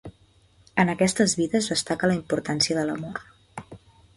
En aquestes vides destaca la importància de l'amor.